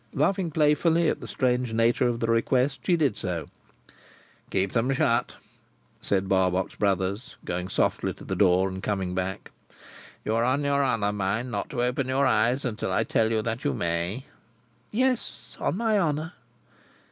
Laughing playfully at the strange nature of the request, she did so. "Keep them shut," said Barbox Brothers, going softly to the door, and coming back. "You are on your honour, mind, not to open your eyes until I tell you that you may?" "Yes! On my honour."